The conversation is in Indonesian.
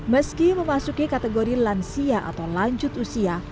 meski memasuki kategori lansia atau lanjut usia